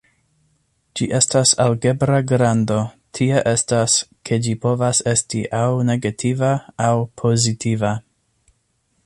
Ĝi estas algebra grando, tie estas, ke ĝi povas esti aŭ negativa aŭ pozitiva.